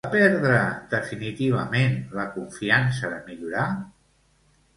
Va perdre definitivament la confiança de millorar?